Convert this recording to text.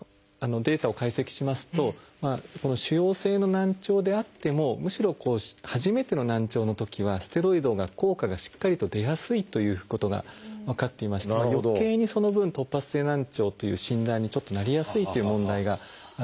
データを解析しますと腫瘍性の難聴であってもむしろ初めての難聴のときはステロイドが効果がしっかりと出やすいということが分かっていましてよけいにその分突発性難聴という診断にちょっとなりやすいっていう問題があるんですね。